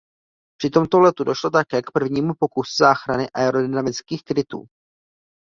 Při tomto letu došlo také k prvnímu pokusu záchrany aerodynamických krytů.